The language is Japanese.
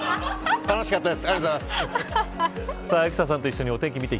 楽しかったです。